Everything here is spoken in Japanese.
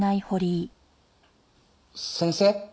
先生？